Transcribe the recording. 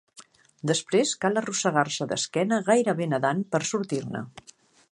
Després cal arrossegar-se d'esquena gairebé nedant per sortir-ne.